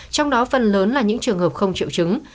trong đó phần lớn là những trường hợp không triệu chứng